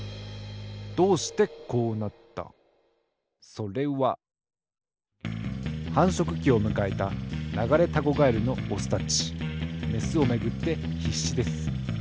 それははんしょくきをむかえたナガレタゴガエルのオスたちメスをめぐってひっしです。